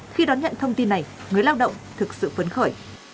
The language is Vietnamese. khi đón nhận thông tin này người lao động thực sự phấn khởi